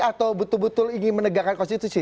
atau betul betul ingin menegakkan konstitusi